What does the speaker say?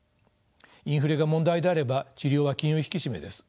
インフレが問題であれば治療は金融引き締めです。